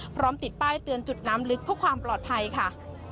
พร้อมติดป้ายเตือนจุดน้ำลึกเพื่อความปลอดภัยค่ะ